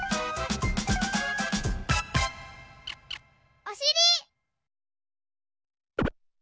おしり！